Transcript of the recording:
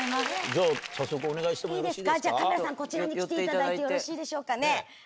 じゃあ、いいですか、じゃあカメラさん、こちらに来ていただいてよろしいでしょうかね。